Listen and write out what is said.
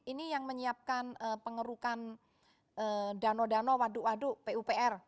ini yang menyiapkan pengerukan dano dano waduk waduk pupr